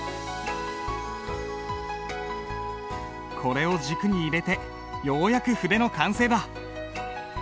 これを軸に入れてようやく筆の完成だ。